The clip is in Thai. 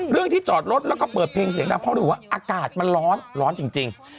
ที่จอดรถแล้วก็เปิดเพลงเสียงดังเพราะรู้ว่าอากาศมันร้อนร้อนจริง